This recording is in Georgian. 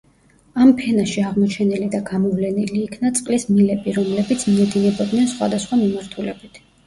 ამ ფენაში აღმოჩენილი და გამოვლენილი იქნა წყლის მილები, რომლებიც მიედინებოდნენ სხვადასხვა მიმართულებით.